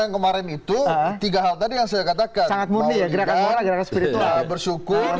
yang kemarin itu tiga hal tadi yang saya katakan sangat mulia gerakan gerakan spiritual bersyukur